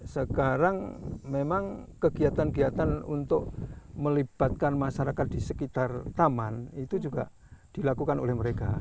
sekarang memang kegiatan kegiatan untuk melibatkan masyarakat di sekitar taman itu juga dilakukan oleh mereka